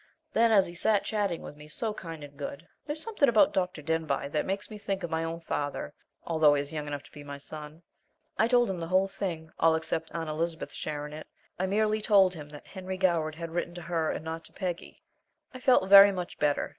Then as he sat chatting with me so kind and good there's something about Dr. Denbigh that makes me think of my own father, although he is young enough to be my son I told him the whole thing, all except Aunt Elizabeth's share in it. I merely told him that Henry Goward had written to her and not to Peggy. I felt very much better.